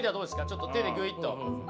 ちょっと手でグイっと。